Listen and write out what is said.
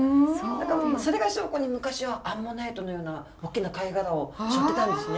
それが証拠に昔はアンモナイトのようなおっきな貝殻をしょってたんですね。